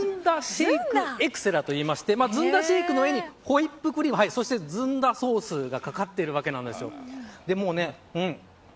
シェイクエクセラといいましてずんだシェイクの上にホイップクリームずんだソースがかかっているわけなんですよ。